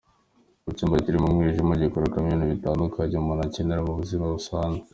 Mu cyumba kirimo umwijima gikorerwamo ibintu bitandukanye umuntu akenera mu buzima busazwe.